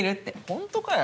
ホントかよ。